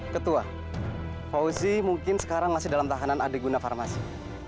ketua fauzi mungkin sekarang masih dalam tahanan adeguna farmasi